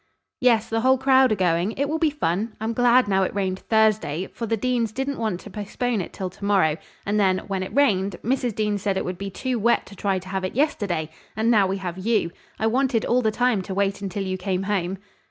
"Yes. The whole crowd are going. It will be fun. I'm glad now it rained Thursday, for the Deans didn't want to postpone it till to morrow, and then, when it rained, Mrs. Dean said it would be too wet to try to have it yesterday; and now we have you. I wanted all the time to wait until you came home."